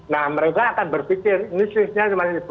nah mereka akan berpikir ini sepedanya cuma rp satu lima ratus